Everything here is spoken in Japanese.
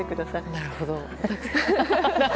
なるほど。